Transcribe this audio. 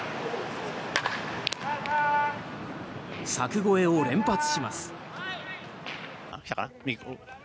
柵越えを連発します。